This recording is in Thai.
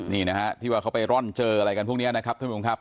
นี่นะครับที่คือเขาไปร่อนเจออะไรพวกนี้นะครับท่านผู้ชมข้างละครับ